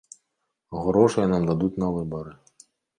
Грошай нам дадуць на выбары.